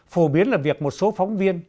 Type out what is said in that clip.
phổ biến là việc một số phóng viên